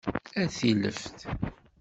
A tileft!